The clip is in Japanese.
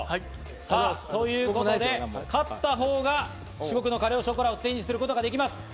さぁ、ということで、勝った方が至極のカレ・オ・ショコラを手にすることができます。